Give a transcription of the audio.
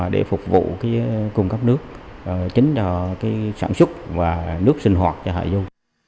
để phục vụ cung cấp nước chính là sản xuất và nước sinh hoạt cho hạ du